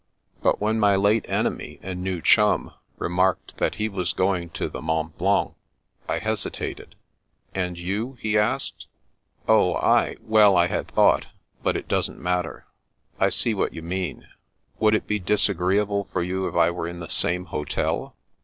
But when my late enemy and new chum remarked that he was going to the Mont Blanc, I hesitated. " And you ?" he asked. "Oh, I— well, I had thought— but it doesn't matter." " I see what you mean. Would it be disagreeable for you if I were in the same hotel